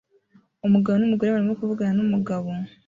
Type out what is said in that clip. Umugabo numugore barimo kuvugana numugabo